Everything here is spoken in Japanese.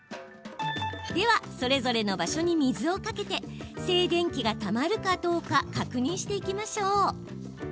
では、それぞれの場所に水をかけて静電気がたまるかどうか確認していきましょう。